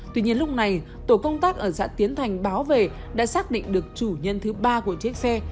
tuy nhiên lúc này tổ công tác ở xã tiến thành báo về đã xác định được chủ nhân thứ ba của chiếc xe